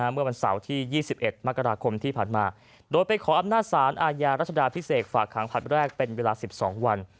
เมื่อวันเสาร์ที่๒๑มกราคมที่ผ่านมาโดยไปขออำนาจสารอาญารัชดาพิเศษฝากขังผลัดแรกเป็นเวลา๑๒วัน